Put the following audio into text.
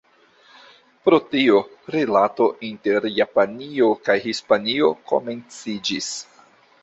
Pro tio, rilato inter Japanio kaj Hispanio komenciĝis.